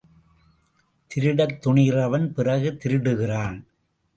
திருடத் துணிகிறான் பிறகு திருடுகிறான்.